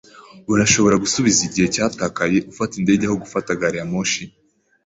Urashobora gusubiza igihe cyatakaye ufata indege aho gufata gari ya moshi.